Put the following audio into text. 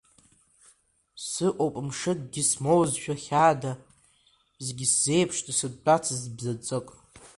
Сыҟоуп мшыкгьы смоузшәа хьаада, зегьы сзеиԥшны сымтәацызт бзанҵык.